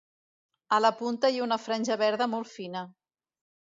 A la punta hi ha una franja verda molt fina.